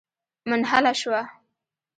منحله شوه.